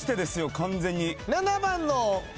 完全に。